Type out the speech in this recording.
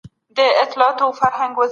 نه یوازي سر ټکوي.